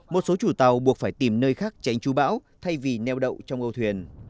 một số chủ tàu buộc phải tìm nơi khác tránh chú bão thay vì neo đậu trong âu thuyền